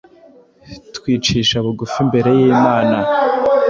twicisha bugufi imbere y’Imana,